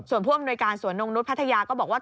ส่วนผู้อำนวยการสวนนงนุษย์พัทยาก็บอกว่า